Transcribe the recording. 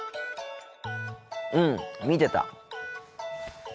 うん見てた。